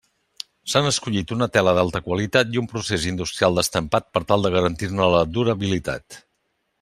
S'han escollit una tela d'alta qualitat i un procés industrial d'estampat per tal de garantir-ne la durabilitat.